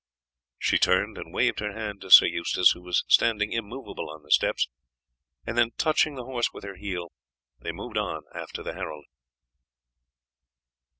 She turned and waved her hand to Sir Eustace, who was standing immovable on the steps, and then, touching the horse with her heel, they moved on after the herald.